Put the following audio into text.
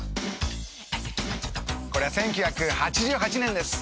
これは１９８８年です。